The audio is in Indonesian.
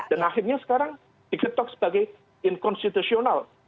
dan akhirnya sekarang diketok sebagai inconstitutional